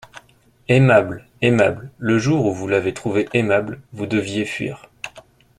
Aimable ! aimable ! Le jour où vous l'avez trouvée aimable, vous deviez fuir.